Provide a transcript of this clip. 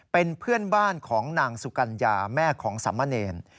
เป็นเพื่อนบ้านของนางสุกัญญาแม่ของสามะเนร